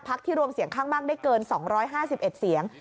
ที่รวมเสียงข้างมากได้เกิน๒๕๑เสียง